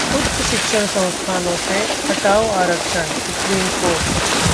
उच्च शिक्षण संस्थानों से हटाओ आरक्षण: सुप्रीम कोर्ट